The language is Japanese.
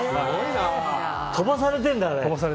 飛ばされてるんだ、あれ。